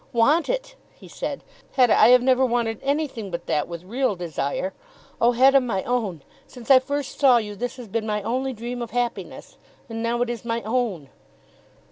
"Want it!" he said. "Hetta, I have never wanted anything but that with real desire. Oh, Hetta, my own. Since I first saw you this has been my only dream of happiness. And now it is my own."